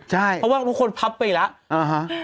ใช่เพราะว่าทุกคนพับไปแล้ว